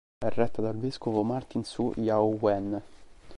È retta dal vescovo Martin Su Yao-wen.